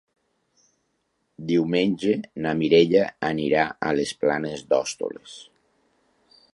Diumenge na Mireia anirà a les Planes d'Hostoles.